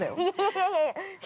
◆いやいやいや。